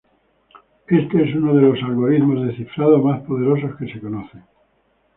Este es uno de los algoritmos de cifrado más poderosos que se conocen.